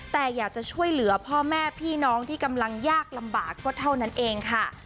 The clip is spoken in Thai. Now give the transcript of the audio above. แต่อยากจะช่วยเหลือพ่อแม่พี่น้องที่กำลังยากลำบากก็เท่านั้นเองค่ะ